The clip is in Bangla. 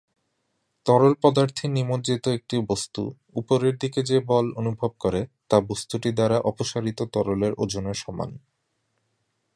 তরল পদার্থে নিমজ্জিত একটি বস্তু উপরের দিকে যে বল অনুভব করে তা বস্তুটি দ্বারা অপসারিত তরলের ওজনের সমান।